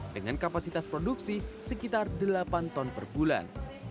dengan kapasitas produksi sekitar delapan ton per bulan